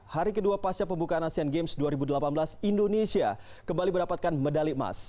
hari kedua pasca pembukaan asian games dua ribu delapan belas indonesia kembali mendapatkan medali emas